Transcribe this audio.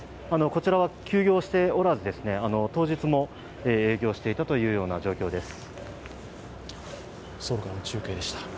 こちらは休業しておらず、当日も営業していたという状況です。